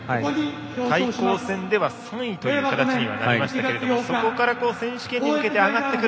対抗戦では３位となりましたがそこから選手権に向けて上がってくる。